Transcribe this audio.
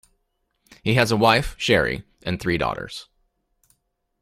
He has a wife, Sherri, and three daughters.